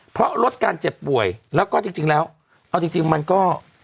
เพราะลดการเจ็บป่วยแล้วก็จริงแล้วเอาจริงมันก็